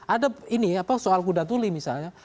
ada ini soal kudatuli misalnya